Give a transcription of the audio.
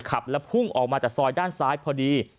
ขับแล้วพุ่งออกมาจากซอยด้านซ้ายพอดี